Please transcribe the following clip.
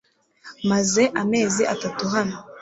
Maze amezi atatu hano .